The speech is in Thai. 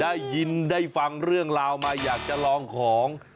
ได้ยินได้ฟังเรื่องราวมาอยากจะลองของ